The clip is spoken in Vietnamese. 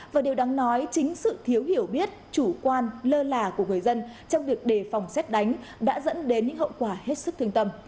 và điều đáng nói chính sự thiếu hiểu biết chủ quan lơ là của người dân trong việc đề phòng xét đánh đã dẫn đến những hậu quả hết sức thương tâm